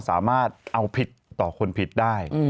สามารถเอาผิดต่อคนผิดได้